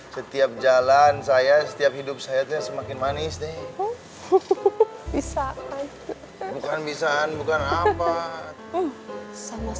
setiap jalan saya setiap hidup saya semakin manis nih bisa bukan bisaan bukan apa sama